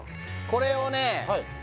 これをね